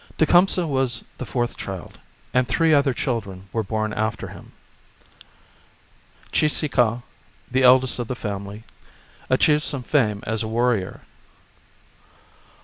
Tecumseh was the fourth child, and three other chil dren were born after him. Cheeseekau, the eldest of the family, achieved some fame as a warrior.